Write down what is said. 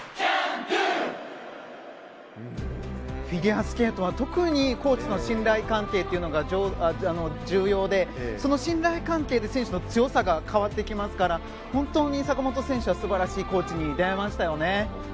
フィギュアスケートは特にコーチとの信頼関係が重要でしてその信頼関係で選手の強さが変わってきますから本当に坂本選手は素晴らしいコーチに出会いましたよね。